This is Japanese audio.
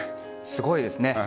すごいですね。